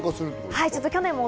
はい。